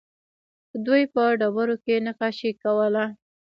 دوی په ډبرو کې نقاشي کوله